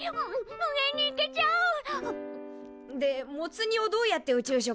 無限にいけちゃう！でモツ煮をどうやって宇宙食にする？